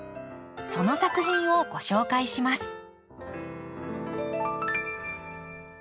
その作品をご紹介します。